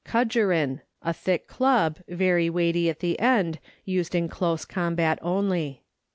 Kudgerin, a thick club very weighty at the end, used in close combat only.